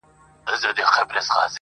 • هرچا ته ځکهیاره بس چپه نیسم لاسونه..